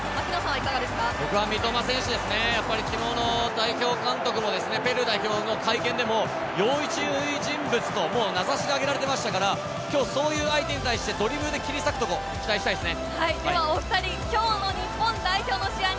僕は三笘選手ですね、昨日のペルー代表の会見でも要注意人物と名指しで挙げられてましたから、そういう相手に対してドリブルで切り裂くところ、期待したいですね。